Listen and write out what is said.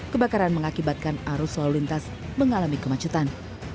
kebakaran mengakibatkan arus lalu lintas mengalami kemacetan